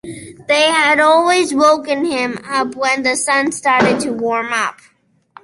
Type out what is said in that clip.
They had always woken him up when the sun started to warm up.